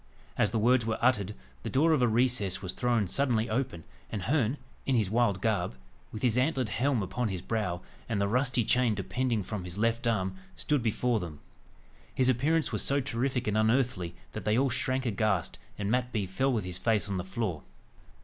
As the words were uttered, the door of a recess was thrown suddenly open, and Herne, in his wild garb, with his antlered helm upon his brow, and the rusty chain depending from his left arm, stood before them. His appearance was so terrific and unearthly that they all shrank aghast, and Mat Bee fell with his face on the floor.